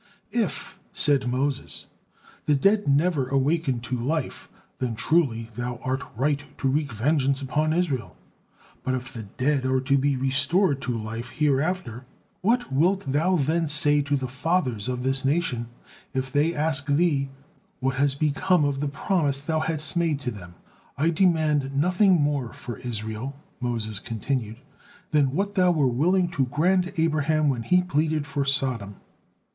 "If," said Moses, "the dead never awaken to life, then truly Thou art right to wreak vengeance upon Israel; but if the dead are to be restored to life hereafter, what wilt Thou then say to the fathers of this nation, if they ask Thee what has become of the promise Thou hadst made to them? I demand nothing more for Israel," Moses continued, "than what Thou were willing to grant Abraham when he pleaded for Sodom.